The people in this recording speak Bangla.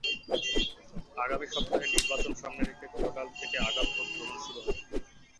আগামী সপ্তাহের নির্বাচন সামনে রেখে গতকাল থেকে আগাম ভোট গ্রহণ শুরু হয়।